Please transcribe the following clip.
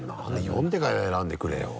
読んでから選んでくれよ。